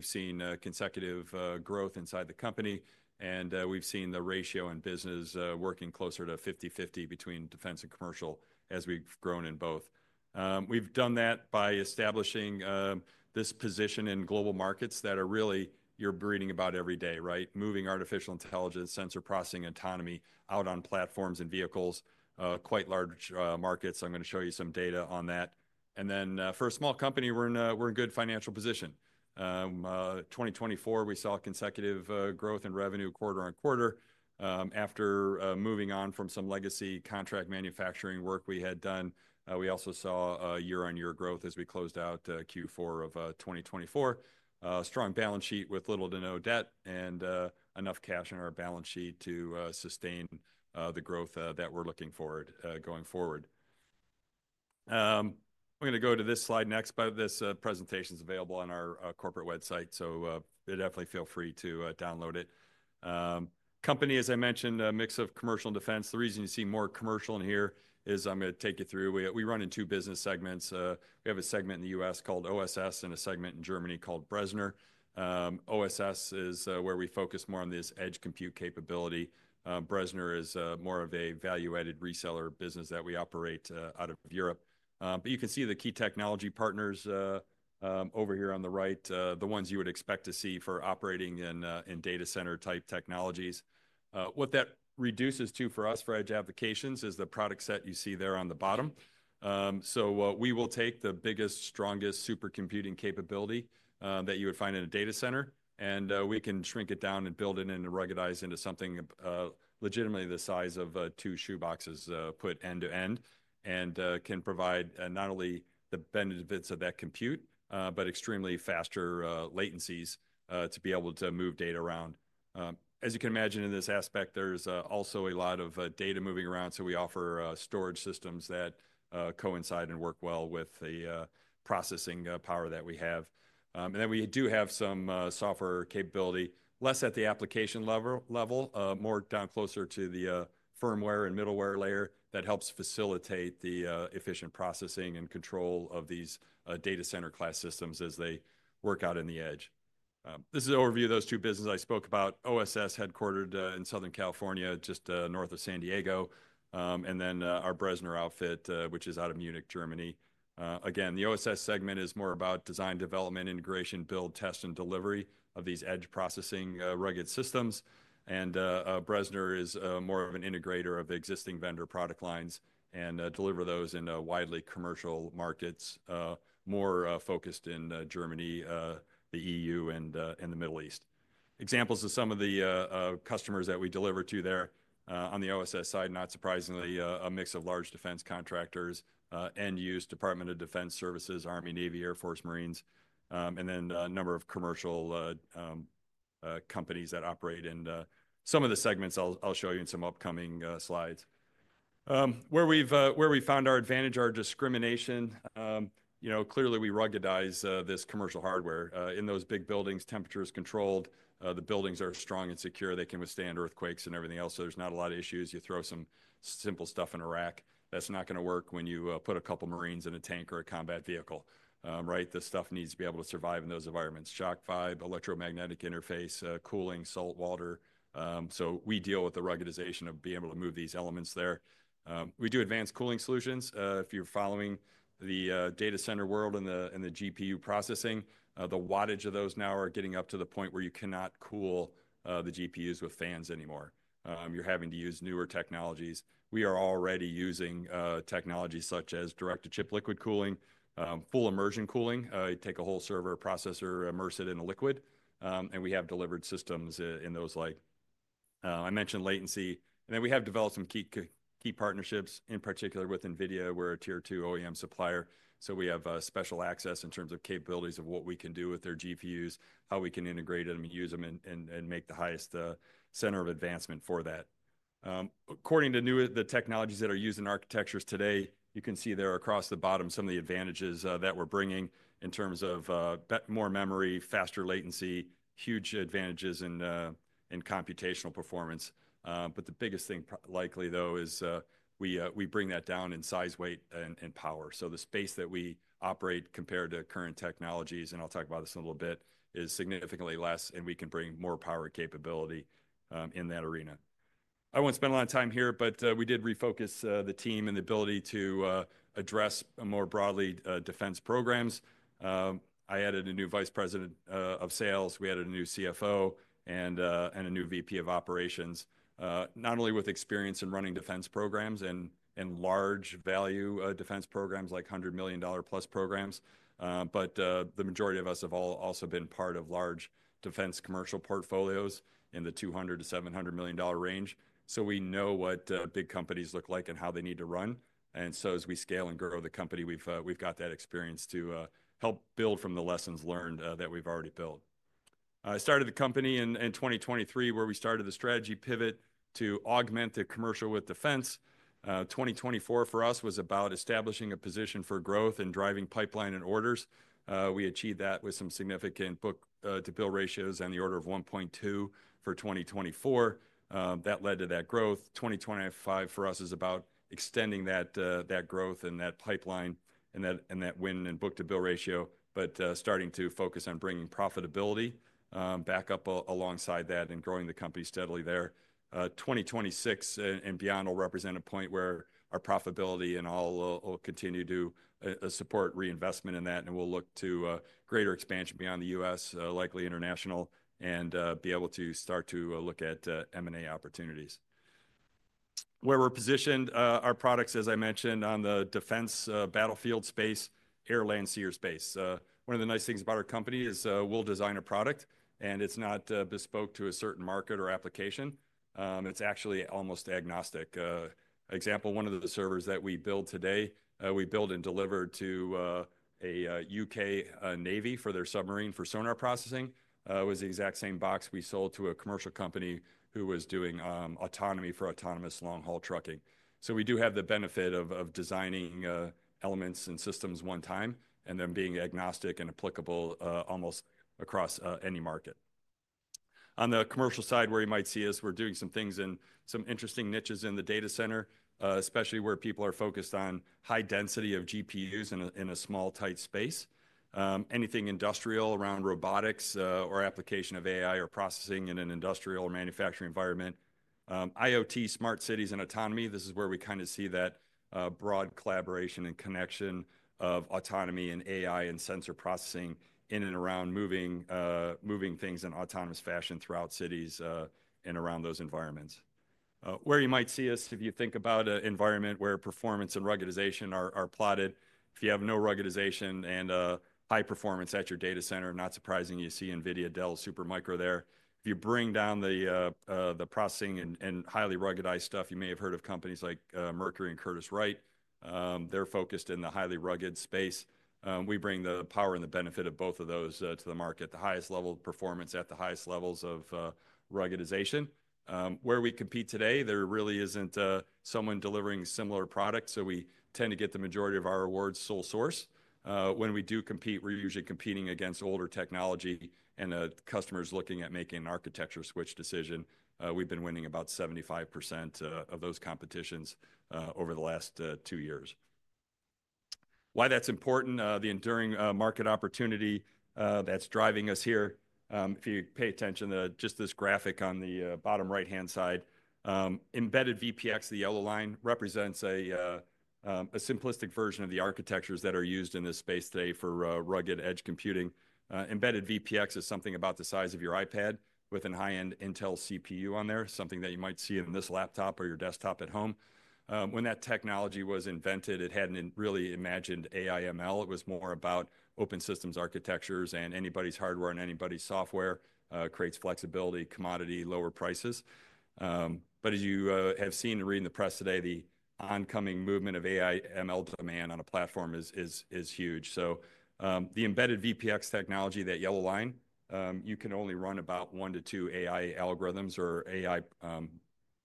We've seen consecutive growth inside the company, and we've seen the ratio in business working closer to 50/50 between defense and commercial as we've grown in both. We've done that by establishing this position in global markets that are really, you're reading about every day, right? Moving artificial intelligence, sensor processing, and autonomy out on platforms and vehicles, quite large markets. I'm going to show you some data on that. For a small company, we're in a good financial position. In 2024, we saw consecutive growth in revenue quarter on quarter after moving on from some legacy contract manufacturing work we had done. We also saw year-on-year growth as we closed out Q4 of 2024. Strong balance sheet with little to no debt and enough cash in our balance sheet to sustain the growth that we're looking for going forward. I'm going to go to this slide next, but this presentation is available on our corporate website, so definitely feel free to download it. Company, as I mentioned, a mix of commercial and defense. The reason you see more commercial in here is I'm going to take you through—we run in two business segments. We have a segment in the U.S. called OSS and a segment in Germany called Bressner. OSS is where we focus more on this edge compute capability. Bressner is more of a value-added reseller business that we operate out of Europe. You can see the key technology partners over here on the right, the ones you would expect to see for operating in data center-type technologies. What that reduces to for us, for edge applications, is the product set you see there on the bottom. We will take the biggest, strongest supercomputing capability that you would find in a data center, and we can shrink it down and build it and ruggedize into something legitimately the size of two shoeboxes put end to end, and can provide not only the benefits of that compute, but extremely faster latencies to be able to move data around. As you can imagine, in this aspect, there's also a lot of data moving around, so we offer storage systems that coincide and work well with the processing power that we have. Then we do have some software capability, less at the application level, more down closer to the firmware and middleware layer that helps facilitate the efficient processing and control of these data center-class systems as they work out in the edge. This is an overview of those two businesses I spoke about. OSS, headquartered in Southern California, just north of San Diego, and then our Bressner outfit, which is out of Munich, Germany. Again, the OSS segment is more about design, development, integration, build, test, and delivery of these edge processing rugged systems. Bressner is more of an integrator of existing vendor product lines and delivers those in widely commercial markets, more focused in Germany, the EU, and the Middle East. Examples of some of the customers that we deliver to there on the OSS side, not surprisingly, a mix of large defense contractors, end-use Department of Defense services, Army, Navy, Air Force, Marines, and then a number of commercial companies that operate in some of the segments I'll show you in some upcoming slides. Where we found our advantage or discrimination, clearly we ruggedize this commercial hardware. In those big buildings, temperature is controlled, the buildings are strong and secure, they can withstand earthquakes and everything else, so there's not a lot of issues. You throw some simple stuff in a rack, that's not going to work when you put a couple of Marines in a tank or a combat vehicle, right? The stuff needs to be able to survive in those environments. Shock vibe, electromagnetic interface, cooling, salt, water. We deal with the ruggedization of being able to move these elements there. We do advanced cooling solutions. If you're following the data center world and the GPU processing, the wattage of those now are getting up to the point where you cannot cool the GPUs with fans anymore. You're having to use newer technologies. We are already using technology such as direct-to-chip liquid cooling, full immersion cooling. You take a whole server processor, immerse it in a liquid, and we have delivered systems in those legs. I mentioned latency. We have developed some key partnerships, in particular with NVIDIA. We're a tier two OEM supplier, so we have special access in terms of capabilities of what we can do with their GPUs, how we can integrate them and use them and make the highest center of advancement for that. According to the technologies that are used in architectures today, you can see there across the bottom some of the advantages that we're bringing in terms of more memory, faster latency, huge advantages in computational performance. The biggest thing likely, though, is we bring that down in size, weight, and power. The space that we operate compared to current technologies, and I'll talk about this in a little bit, is significantly less, and we can bring more power capability in that arena. I won't spend a lot of time here, but we did refocus the team and the ability to address more broadly defense programs. I added a new Vice President of Sales, we added a new CFO, and a new VP of Operations. Not only with experience in running defense programs and large value defense programs like $100 million plus programs, but the majority of us have also been part of large defense commercial portfolios in the $200 million-$700 million range. We know what big companies look like and how they need to run. As we scale and grow the company, we've got that experience to help build from the lessons learned that we've already built. I started the company in 2023, where we started the strategy pivot to augment the commercial with defense. 2024 for us was about establishing a position for growth and driving pipeline and orders. We achieved that with some significant book-to-bill ratios in the order of 1.2 for 2024. That led to that growth. 2025 for us is about extending that growth and that pipeline and that win and book-to-bill ratio, but starting to focus on bringing profitability back up alongside that and growing the company steadily there. 2026 and beyond will represent a point where our profitability and all will continue to support reinvestment in that, and we'll look to greater expansion beyond the U.S., likely international, and be able to start to look at M&A opportunities. Where we're positioned, our products, as I mentioned, on the defense battlefield space, air, land, sea, airspace. One of the nice things about our company is we'll design a product, and it's not bespoke to a certain market or application. It's actually almost agnostic. Example, one of the servers that we build today, we build and deliver to a U.K. Navy for their submarine for sonar processing. It was the exact same box we sold to a commercial company who was doing autonomy for autonomous long-haul trucking. So we do have the benefit of designing elements and systems one time and then being agnostic and applicable almost across any market. On the commercial side, where you might see us, we're doing some things in some interesting niches in the data center, especially where people are focused on high density of GPUs in a small, tight space. Anything industrial around robotics or application of AI or processing in an industrial or manufacturing environment. IoT, smart cities, and autonomy. This is where we kind of see that broad collaboration and connection of autonomy and AI and sensor processing in and around moving things in autonomous fashion throughout cities and around those environments. Where you might see us, if you think about an environment where performance and ruggedization are plotted, if you have no ruggedization and high performance at your data center, not surprising, you see NVIDIA, Dell, Supermicro there. If you bring down the processing and highly ruggedized stuff, you may have heard of companies like Mercury and Curtis-Wright. They're focused in the highly rugged space. We bring the power and the benefit of both of those to the market, the highest level of performance at the highest levels of ruggedization. Where we compete today, there really isn't someone delivering similar products, so we tend to get the majority of our awards sole source. When we do compete, we're usually competing against older technology, and customers looking at making an architecture switch decision. We've been winning about 75% of those competitions over the last two years. Why that's important, the enduring market opportunity that's driving us here. If you pay attention to just this graphic on the bottom right-hand side, embedded VPX, the yellow line, represents a simplistic version of the architectures that are used in this space today for rugged edge computing. Embedded VPX is something about the size of your iPad with a high-end Intel CPU on there, something that you might see in this laptop or your desktop at home. When that technology was invented, it hadn't really imagined AI/ML. It was more about open systems architectures, and anybody's hardware and anybody's software creates flexibility, commodity, lower prices. As you have seen and read in the press today, the oncoming movement of AI/ML demand on a platform is huge. The embedded VPX technology, that yellow line, you can only run about one to two AI algorithms or AI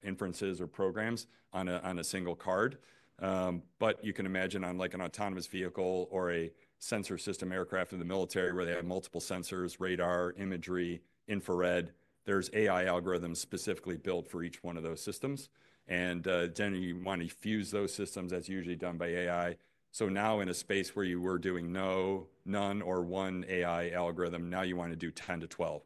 inferences or programs on a single card. You can imagine on an autonomous vehicle or a sensor system aircraft in the military where they have multiple sensors, radar, imagery, infrared, there's AI algorithms specifically built for each one of those systems. You want to fuse those systems as usually done by AI. Now in a space where you were doing no, none, or one AI algorithm, now you want to do 10-12.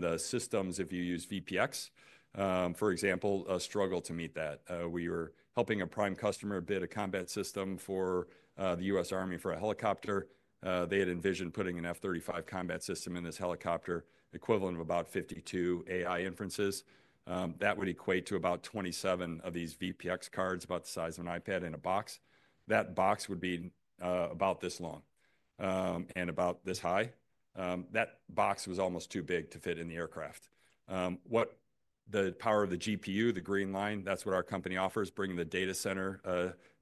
The systems, if you use VPX, for example, struggle to meet that. We were helping a prime customer bid a combat system for the U.S. Army for a helicopter. They had envisioned putting an F-35 combat system in this helicopter, equivalent of about 52 AI inferences. That would equate to about 27 of these VPX cards, about the size of an iPad in a box. That box would be about this long and about this high. That box was almost too big to fit in the aircraft. The power of the GPU, the green line, that's what our company offers, bringing the data center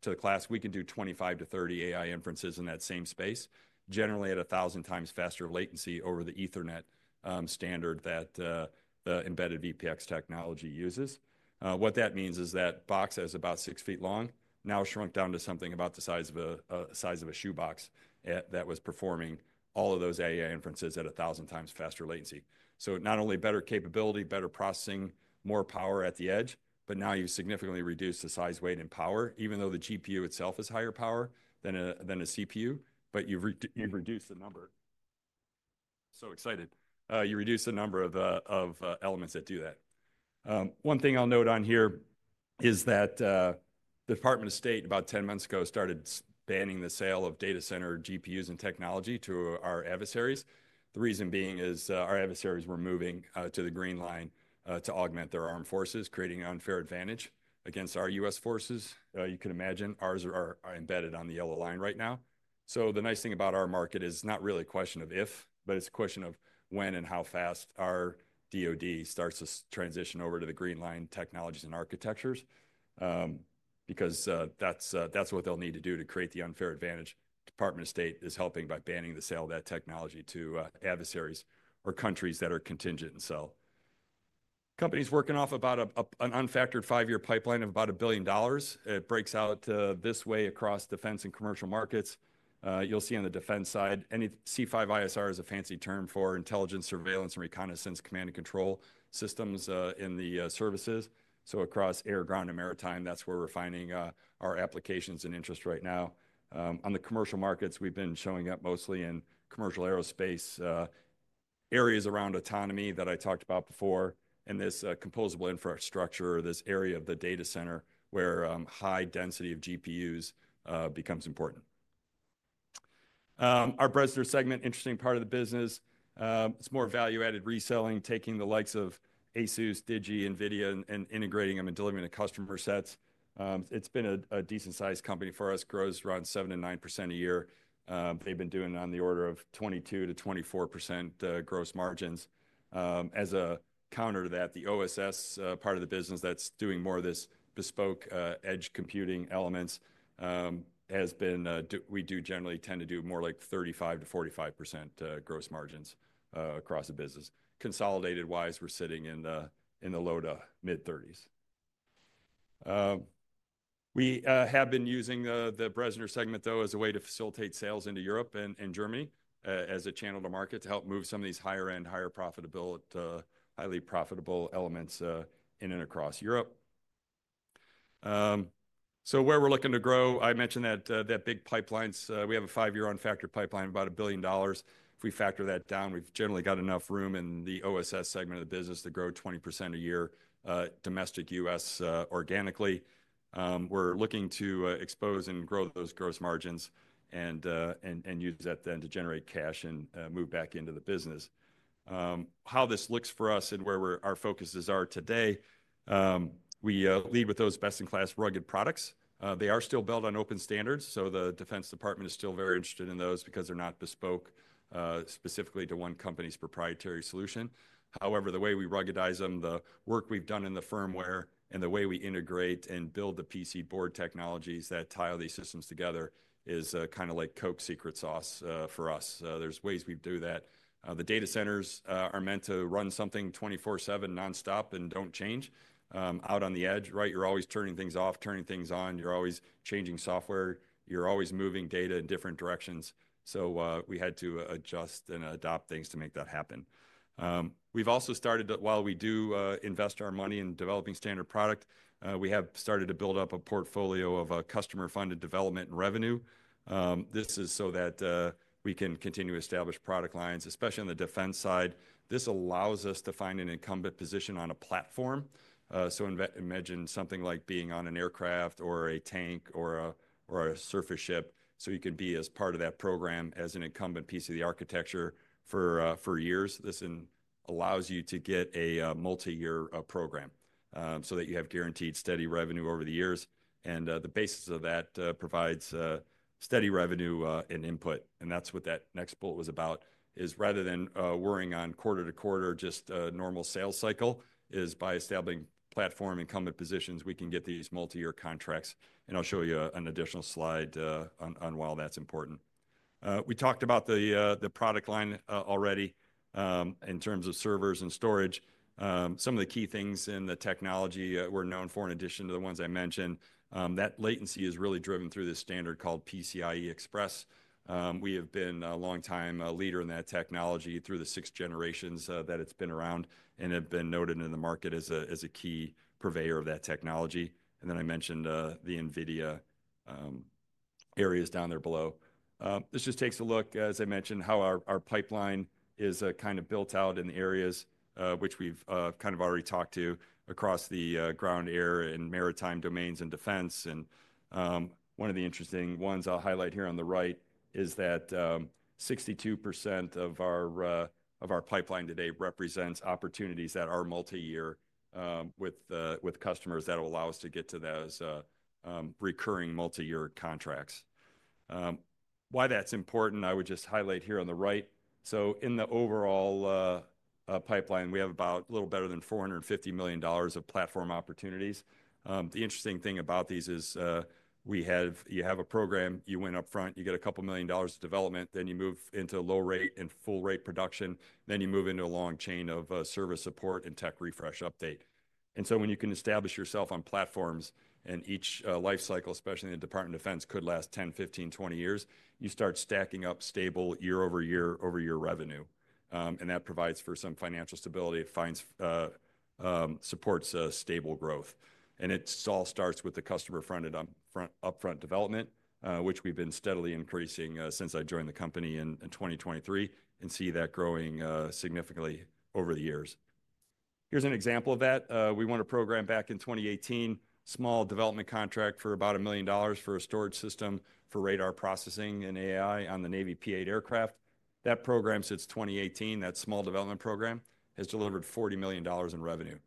to the class. We can do 25 to 30 AI inferences in that same space, generally at 1,000 times faster latency over the Ethernet standard that the embedded VPX technology uses. What that means is that box is about six feet long, now shrunk down to something about the size of a shoebox that was performing all of those AI inferences at 1,000 times faster latency. Not only better capability, better processing, more power at the edge, but now you significantly reduce the size, weight, and power, even though the GPU itself is higher power than a CPU, but you've reduced the number. So excited. You reduce the number of elements that do that. One thing I'll note on here is that the Department of State, about 10 months ago, started banning the sale of data center GPUs and technology to our adversaries. The reason being is our adversaries were moving to the green line to augment their armed forces, creating an unfair advantage against our U.S. forces. You can imagine ours are embedded on the yellow line right now. The nice thing about our market is not really a question of if, but it's a question of when and how fast our DOD starts to transition over to the green line technologies and architectures, because that's what they'll need to do to create the unfair advantage. Department of State is helping by banning the sale of that technology to adversaries or countries that are contingent and sell. Company's working off about an unfactored five-year pipeline of about $1 billion. It breaks out this way across defense and commercial markets. You'll see on the defense side, C5ISR is a fancy term for intelligence, surveillance, and reconnaissance, command and control systems in the services. Across air, ground, and maritime, that's where we're finding our applications and interest right now. On the commercial markets, we've been showing up mostly in commercial aerospace areas around autonomy that I talked about before and this composable infrastructure, this area of the data center where high density of GPUs becomes important. Our Bressner segment, interesting part of the business, it's more value-added reselling, taking the likes of Asus, Digi, NVIDIA, and integrating them and delivering to customer sets. It's been a decent-sized company for us, grows around 7%-9% a year. They've been doing on the order of 22%-24% gross margins. As a counter to that, the OSS part of the business that's doing more of this bespoke edge computing elements has been we do generally tend to do more like 35%-45% gross margins across the business. Consolidated-wise, we're sitting in the low to mid-30s. We have been using the Bressner segment, though, as a way to facilitate sales into Europe and Germany as a channel to market to help move some of these higher-end, higher profitable, highly profitable elements in and across Europe. Where we're looking to grow, I mentioned that big pipelines. We have a five-year unfactored pipeline of about $1 billion. If we factor that down, we've generally got enough room in the OSS segment of the business to grow 20% a year domestic US organically. We're looking to expose and grow those gross margins and use that then to generate cash and move back into the business. How this looks for us and where our focuses are today, we lead with those best-in-class rugged products. They are still built on open standards, so the Defense Department is still very interested in those because they're not bespoke specifically to one company's proprietary solution. However, the way we ruggedize them, the work we've done in the firmware and the way we integrate and build the PC board technologies that tie all these systems together is kind of like Coke secret sauce for us. There's ways we do that. The data centers are meant to run something 24/7 nonstop and don't change out on the edge, right? You're always turning things off, turning things on. You're always changing software. You're always moving data in different directions. We had to adjust and adopt things to make that happen. We've also started to, while we do invest our money in developing standard product, we have started to build up a portfolio of customer-funded development and revenue. This is so that we can continue to establish product lines, especially on the defense side. This allows us to find an incumbent position on a platform. Imagine something like being on an aircraft or a tank or a surface ship. You can be as part of that program as an incumbent piece of the architecture for years. This allows you to get a multi-year program so that you have guaranteed steady revenue over the years. The basis of that provides steady revenue and input. That next bullet was about, is rather than worrying on quarter to quarter, just a normal sales cycle, is by establishing platform incumbent positions, we can get these multi-year contracts. I'll show you an additional slide on why that's important. We talked about the product line already in terms of servers and storage. Some of the key things in the technology we're known for, in addition to the ones I mentioned, that latency is really driven through this standard called PCI Express. We have been a long-time leader in that technology through the six generations that it's been around and have been noted in the market as a key purveyor of that technology. I mentioned the NVIDIA areas down there below. This just takes a look, as I mentioned, how our pipeline is kind of built out in the areas which we've kind of already talked to across the ground, air, and maritime domains in defense. One of the interesting ones I'll highlight here on the right is that 62% of our pipeline today represents opportunities that are multi-year with customers that will allow us to get to those recurring multi-year contracts. Why that's important, I would just highlight here on the right. In the overall pipeline, we have about a little better than $450 million of platform opportunities. The interesting thing about these is you have a program, you win upfront, you get a couple million dollars of development, then you move into low-rate and full-rate production, then you move into a long chain of service support and tech refresh update. When you can establish yourself on platforms and each life cycle, especially in the Department of Defense, could last 10, 15, 20 years, you start stacking up stable year-over-year revenue. That provides for some financial stability, supports stable growth. It all starts with the customer-funded upfront development, which we've been steadily increasing since I joined the company in 2023 and see that growing significantly over the years. Here's an example of that. We won a program back in 2018, small development contract for about $1 million for a storage system for radar processing and AI on the Navy P-8 aircraft. That program since 2018, that small development program, has delivered $40 million in revenue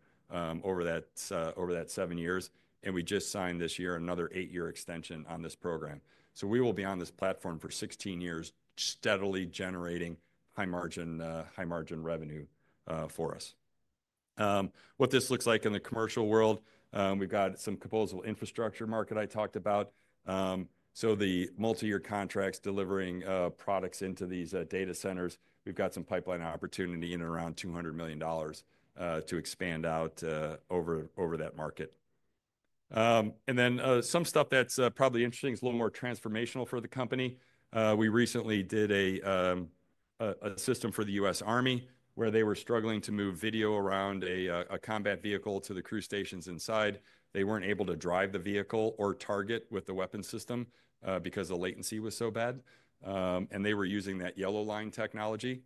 over that seven years. We just signed this year another eight-year extension on this program. We will be on this platform for 16 years, steadily generating high-margin revenue for us. What this looks like in the commercial world, we've got some composable infrastructure market I talked about. The multi-year contracts delivering products into these data centers, we've got some pipeline opportunity in and around $200 million to expand out over that market. Something that's probably interesting is a little more transformational for the company. We recently did a system for the U.S. Army where they were struggling to move video around a combat vehicle to the crew stations inside. They weren't able to drive the vehicle or target with the weapon system because the latency was so bad. They were using that yellow line technology.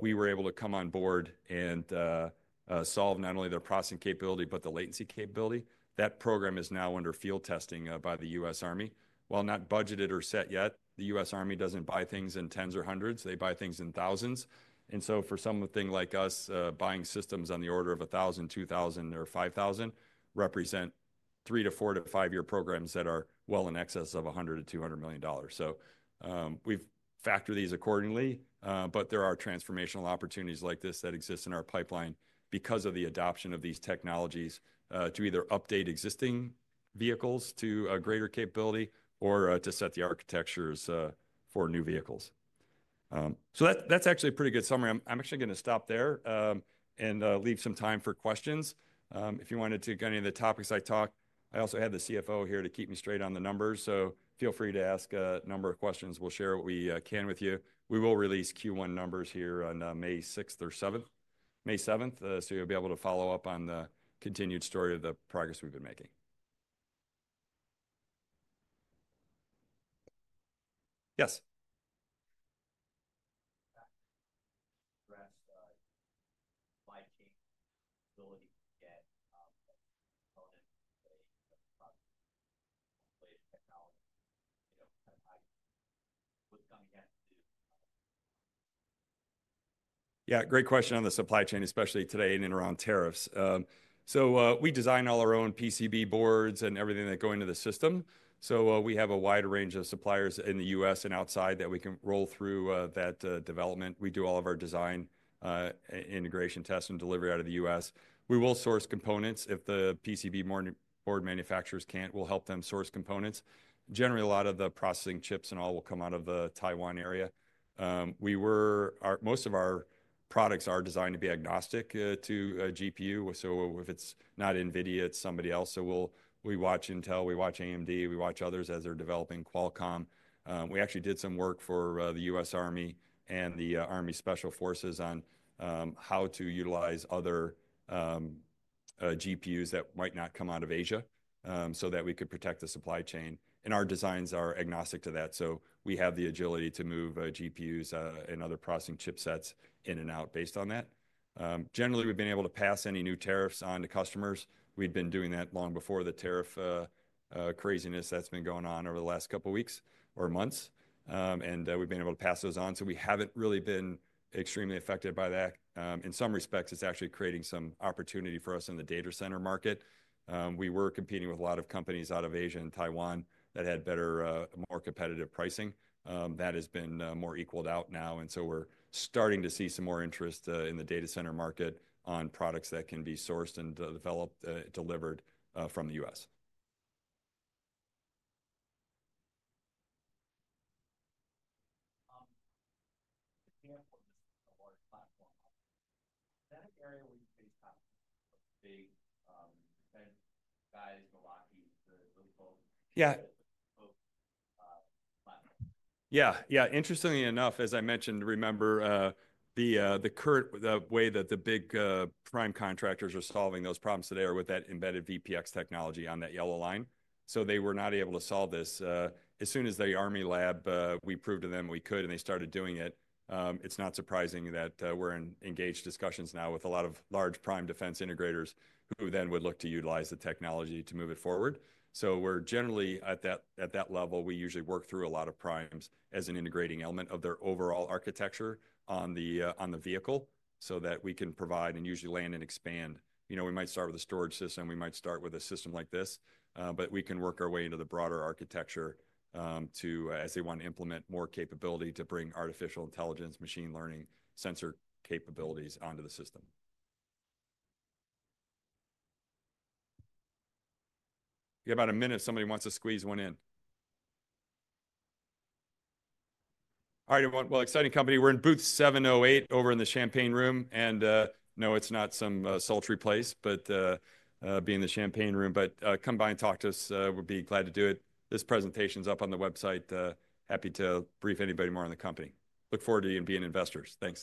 We were able to come on board and solve not only their processing capability, but the latency capability. That program is now under field testing by the U.S. Army. While not budgeted or set yet, the U.S. Army does not buy things in tens or hundreds. They buy things in thousands. For something like us, buying systems on the order of 1,000, 2,000, or 5,000 represent three- to four- to five-year programs that are well in excess of $100 million-$200 million. We have factored these accordingly, but there are transformational opportunities like this that exist in our pipeline because of the adoption of these technologies to either update existing vehicles to a greater capability or to set the architectures for new vehicles. That is actually a pretty good summary. I am actually going to stop there and leave some time for questions. If you wanted to get to any of the topics I talked, I also have the CFO here to keep me straight on the numbers. Feel free to ask a number of questions. We'll share what we can with you. We will release Q1 numbers here on May 6th or 7th, May 7th, so you'll be able to follow up on the continued story of the progress we've been making. Yes. Yeah, great question on the supply chain, especially today and around tariffs. We design all our own PCB boards and everything that go into the system. We have a wide range of suppliers in the U.S. and outside that we can roll through that development. We do all of our design, integration, testing, and delivery out of the U.S. We will source components. If the PCB board manufacturers can't, we'll help them source components. Generally, a lot of the processing chips and all will come out of the Taiwan area. Most of our products are designed to be agnostic to GPU. If it's not NVIDIA, it's somebody else. We watch Intel, we watch AMD, we watch others as they're developing Qualcomm. We actually did some work for the U.S. Army and the Army Special Forces on how to utilize other GPUs that might not come out of Asia so that we could protect the supply chain. Our designs are agnostic to that. We have the agility to move GPUs and other processing chipsets in and out based on that. Generally, we've been able to pass any new tariffs on to customers. We've been doing that long before the tariff craziness that's been going on over the last couple of weeks or months. We've been able to pass those on. We haven't really been extremely affected by that. In some respects, it's actually creating some opportunity for us in the data center market. We were competing with a lot of companies out of Asia and Taiwan that had better, more competitive pricing. That has been more equaled out now. We are starting to see some more interest in the data center market on products that can be sourced and developed, delivered from the U.S.. [audiodistortion] Interestingly enough, as I mentioned, remember the way that the big prime contractors are solving those problems today are with that embedded VPX technology on that yellow line. They were not able to solve this. As soon as the Army lab, we proved to them we could, and they started doing it. It is not surprising that we are in engaged discussions now with a lot of large prime defense integrators who then would look to utilize the technology to move it forward. We are generally at that level. We usually work through a lot of primes as an integrating element of their overall architecture on the vehicle so that we can provide and usually land and expand. We might start with a storage system. We might start with a system like this. We can work our way into the broader architecture as they want to implement more capability to bring artificial intelligence, machine learning, sensor capabilities onto the system. We have about a minute if somebody wants to squeeze one in. All right, everyone. Exciting company. We're in booth 708 over in the champagne room. No, it's not some sultry place, but being in the champagne room. Come by and talk to us. We'll be glad to do it. This presentation's up on the website. Happy to brief anybody more on the company. Look forward to you and being investors. Thanks.